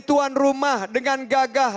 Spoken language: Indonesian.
tuan rumah dengan gagah